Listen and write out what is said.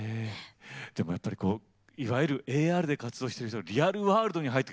でもやっぱりいわゆるＡＲで活動してる人がリアルワールドに入ってくる。